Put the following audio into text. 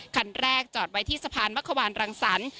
คันแรกจอดไว้ที่สะพานมะขวานรังสรรค์